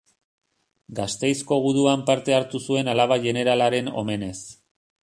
Gasteizko Guduan parte hartu zuen Alaba Jeneralaren omenez.